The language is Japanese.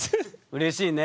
うれしいね。